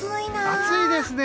暑いですね。